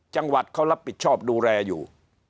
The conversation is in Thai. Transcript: จังหวัดเขารับผิดชอบดูแลอยู่